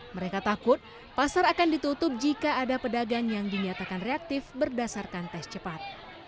mereka takut pasar akan ditutup jika ada pedagang yang dinyatakan reaktif berdasarkan tes cepat